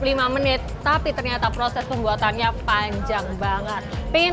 lima menit tapi ternyata proses pembuatannya panjang banget pin